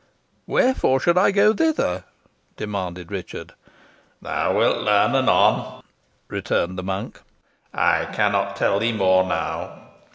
"Wherefore should I go thither?" demanded Richard. "Thou wilt learn anon," returned the monk. "I cannot tell thee more now.